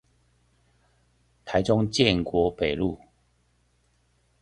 台中建國北路